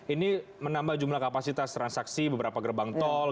ini menambah jumlah kapasitas transaksi beberapa gerbang tol